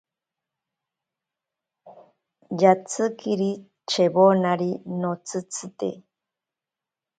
Yatsikiri chewonari notsitzite.